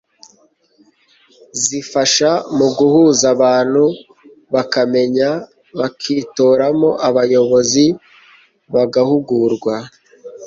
zifasha mu guhuza abantu bakamenyana, bakitoramo abayobozi, bagahugurwa